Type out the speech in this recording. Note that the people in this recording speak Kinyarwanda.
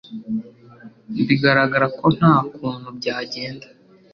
bigaragara ko nta kuntu byagenda